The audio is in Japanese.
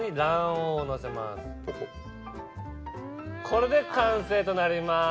これで完成となります。